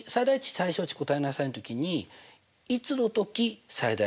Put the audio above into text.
・最小値答えなさいのときにいつのとき最大値